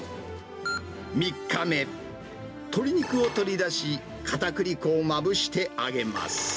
３日目、鶏肉を取り出し、かたくり粉をまぶして揚げます。